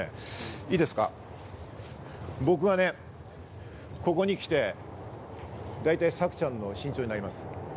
いいですか、僕はね、ここに来てだいたい朔ちゃんの身長になります。